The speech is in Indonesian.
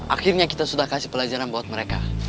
akhirnya kita sudah kasih pelajaran buat mereka